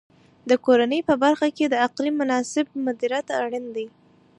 د کرنې په برخه کې د اقلیم مناسب مدیریت اړین دی.